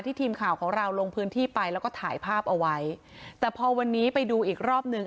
ทีมข่าวของเราลงพื้นที่ไปแล้วก็ถ่ายภาพเอาไว้แต่พอวันนี้ไปดูอีกรอบหนึ่ง